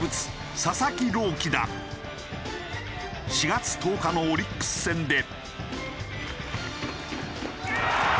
４月１０日のオリックス戦で。